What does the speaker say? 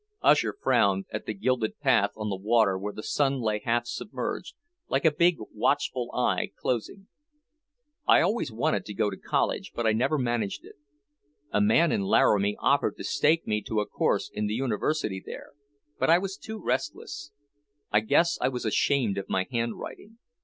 Usher frowned at the gilded path on the water where the sun lay half submerged, like a big, watchful eye, closing. "I always wanted to go to college, but I never managed it. A man in Laramie offered to stake me to a course in the University there, but I was too restless. I guess I was ashamed of my handwriting."